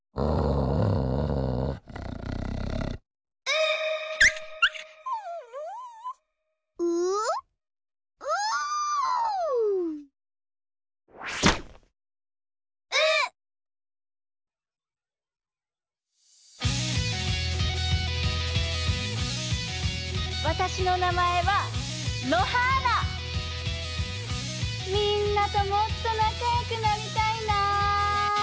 みんなともっとなかよくなりたいな。